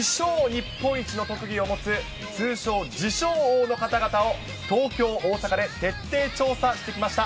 日本一の特技を持つ通称、自称王の方々を東京、大阪で徹底調査してきました。